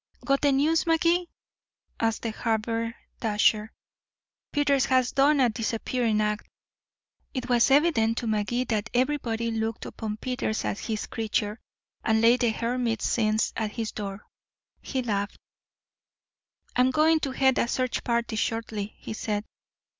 "Got the news, Magee?" asked the haberdasher. "Peters has done a disappearing act." It was evident to Magee that everybody looked upon Peters as his creature, and laid the hermit's sins at his door. He laughed. "I'm going to head a search party shortly," he said.